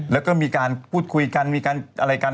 แล้วก็มีการพูดคุยกันมีการอะไรกัน